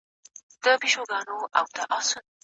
د جهاني د ګل ګېډیو وطن